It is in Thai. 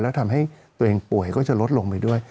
แล้วทำให้ตัวเองป่วยก็จะลดลงไปด้วย